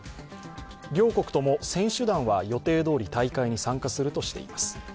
両国とも選手団は予定どおり大会に参加するとしています。